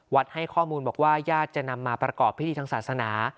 ให้ข้อมูลบอกว่าญาติจะนำมาประกอบพิธีทางศาสนา